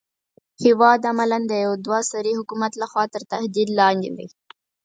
هېواد عملاً د يوه دوه سري حکومت لخوا تر تهدید لاندې دی.